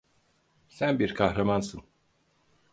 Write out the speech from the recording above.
Sen bir kahramansın.